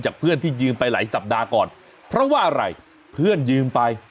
เพื่อนที่ยืมไปหลายสัปดาห์ก่อนเพราะว่าอะไรเพื่อนยืมไป